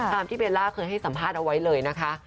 ตามที่เบลล่าเคยให้สัมภาษณ์เอาไว้เลยนะคะ